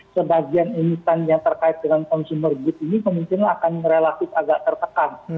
sebagian emiten yang terkait dengan consumer good ini kemungkinan akan relatif agak tertekan